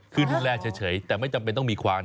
คือดูแลเฉยแต่ไม่จำเป็นต้องมีความ